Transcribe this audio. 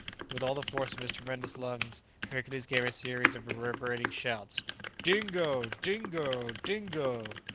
With all the force of his tremendous lungs, Hercules gave a series of reverberating shouts: "Dingo! Dingo! Dingo!"